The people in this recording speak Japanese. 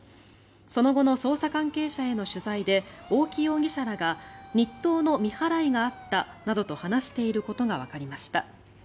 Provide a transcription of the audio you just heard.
その後の捜査関係者への取材で大木容疑者らが日当の未払いがあったなどと話していることがわかりました。